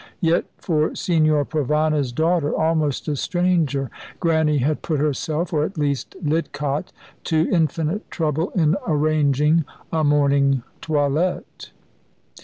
Yet for Signor Provana's daughter, almost a stranger, Grannie had put herself, or at least Lidcott, to infinite trouble in arranging a mourning toilette.